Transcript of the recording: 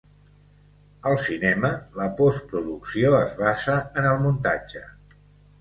Al cinema, la postproducció es basa en el muntatge.